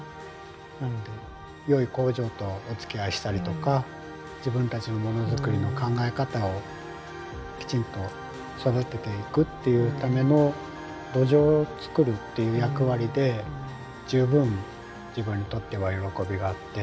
なので良い工場とおつきあいしたりとか自分たちのものづくりの考え方をきちんと育てていくっていうための土壌を作るっていう役割で十分自分にとっては喜びがあって。